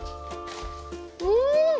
うん！